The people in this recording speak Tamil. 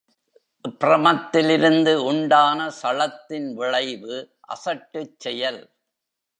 ப்ரமத்திலிருந்து உண்டான சளத்தின் விளைவு அசட்டுச் செயல்.